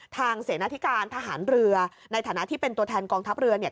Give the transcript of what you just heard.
เสนาธิการทหารเรือในฐานะที่เป็นตัวแทนกองทัพเรือเนี่ย